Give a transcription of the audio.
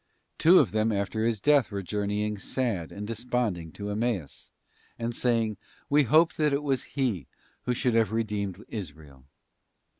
Two of them after His death were journeying sad and desponding to Emmaus, and saying, 'We hoped that it was He who should have redeemed Israel.